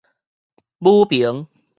武平